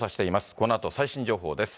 このあと最新情報です。